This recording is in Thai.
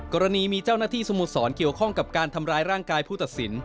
กรณีมีเจ้าหน้าที่สโมสรเกี่ยวข้องกับการทำร้ายร่างกายผู้ตัดสิน